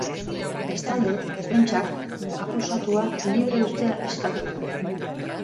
Bestalde, defentsak akusatua libre uztea eskatu du.